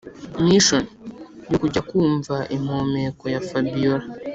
(mission) yo kujya kumva impumeko ya fabiora